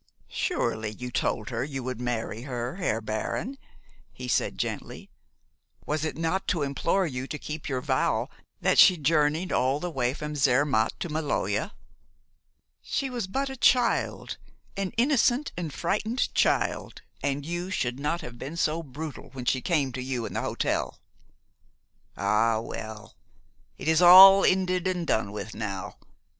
"Surely you told her you would marry her, Herr Baron?" he said gently. "Was it not to implore you to keep your vow that she journeyed all the way from Zermatt to the Maloja? She was but a child, an innocent and frightened child, and you should not have been so brutal when she came to you in the hotel. Ah, well! It is all ended and done with now.